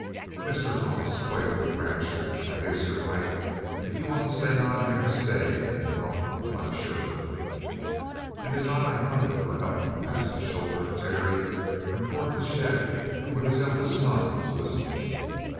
"Mr. Hollis," quavered the rancher, "I guess you're right. If you want to stay on here, stay and welcome, I'm sure." And his eye hunted for help past the shoulder of Terry and toward the shed, where his eldest son was whistling.